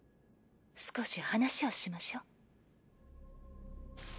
少し話をしましょう。